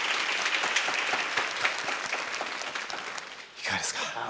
いかがですか？